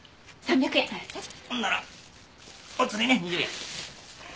ほんならお釣りね２０円。